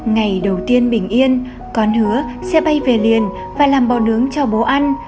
ngày đầu tiên bình yên con hứa sẽ bay về liền và làm bò nướng cho bố ăn